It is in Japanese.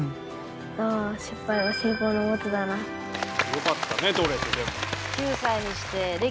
よかったね撮れてでも。